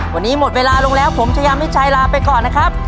วันนี้หมดเวลาลงแล้วผมชายามิชัยลาไปก่อนนะครับ